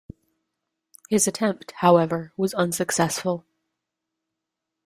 His attempt, however, was unsuccessful.